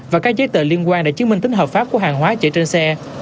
và các giấy tờ liên quan để chứng minh tính hợp pháp của hàng hóa chạy trên xe